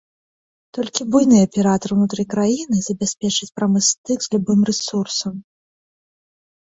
Толькі буйны аператар ўнутры краіны забяспечыць прамы стык з любым рэсурсам.